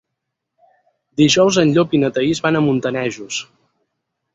Dijous en Llop i na Thaís van a Montanejos.